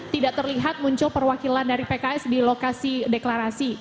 tidak terlihat muncul perwakilan dari pks di lokasi deklarasi